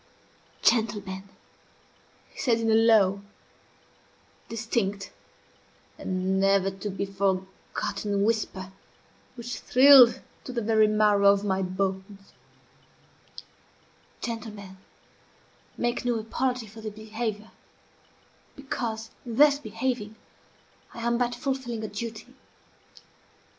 "Gentlemen," he said, in a low, distinct, and never to be forgotten whisper which thrilled to the very marrow of my bones, "gentlmen, I make no apology for this behavior, because, in thus behaving, I am but fulfilling a duty.